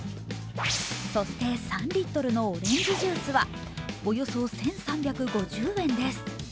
そして、３リットルのオレンジジュースはおよそ１３５０円です。